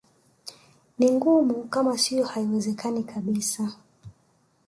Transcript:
Ni ngumu kama sio haiwezekani kabisa